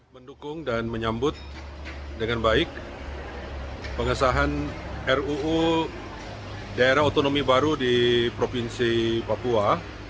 mendukung dan menyambut dengan baik pengesahan ruu daerah otonomi baru di provinsi papua